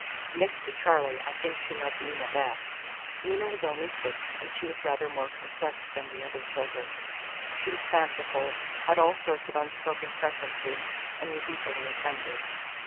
Next to Charley, I think she loved Nina best. Nina was only six, and she was rather more complex than the other children. She was fanciful, had all sorts of unspoken preferences, and was easily offended.